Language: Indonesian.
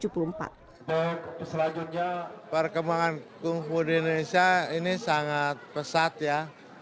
selanjutnya perkembangan kungfu di indonesia ini sangat pesat ya